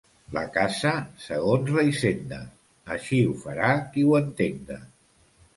La casa, segons la hisenda. Així ho farà qui ho entenga.